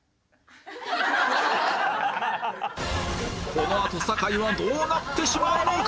このあと坂井はどうなってしまうのか？